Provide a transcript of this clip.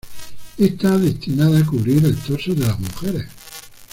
Está destinada a cubrir el torso de las mujeres.